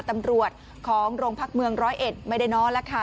ตำรวจของโรงพักเมืองร้อยเอ็ดไม่ได้นอนแล้วค่ะ